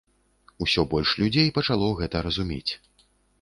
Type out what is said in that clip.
Усё больш людзей пачало гэта разумець.